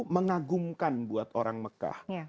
mengagumkan buat orang mekah